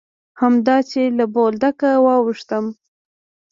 همدا چې له بولدکه واوښتم.